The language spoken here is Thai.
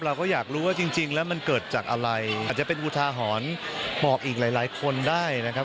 เราก็อยากรู้ว่าจริงแล้วมันเกิดจากอะไรอาจจะเป็นอุทาหรณ์บอกอีกหลายคนได้นะครับ